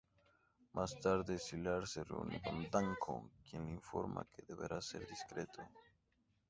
Más tarde, Sylar se reúne con Danko quien le informa que deberá ser discreto.